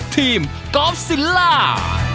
ทีมกอล์ฟซิลล่า